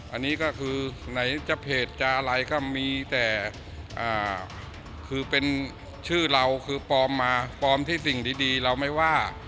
อันนี้ก็คือไหนจะเพจจะอะไรก็มีแต่คือเป็นชื่อเราคือปลอมมาปลอมที่สิ่งดีเราไม่ว่า